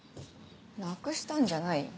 なくしたんじゃないよ